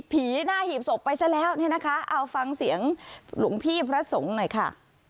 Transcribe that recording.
หน้าหีบศพไปซะแล้วเนี่ยนะคะเอาฟังเสียงหลวงพี่พระสงฆ์หน่อยค่ะ